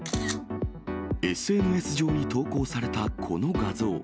ＳＮＳ上に投稿されたこの画像。